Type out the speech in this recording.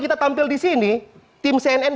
kita tampil di sini tim cnn